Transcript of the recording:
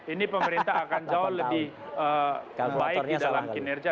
ini pemerintah akan jauh lebih baik di dalam kinerja